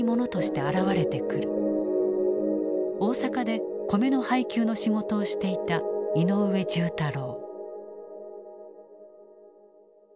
大阪で米の配給の仕事をしていた井上重太郎。